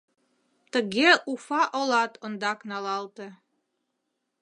Тыге Уфа олат ондак налалте.